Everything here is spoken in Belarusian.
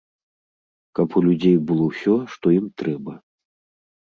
Каб у людзей было ўсё, што ім трэба.